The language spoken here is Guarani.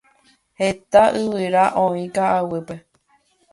Heta yvyra oĩ ka'aguýpe.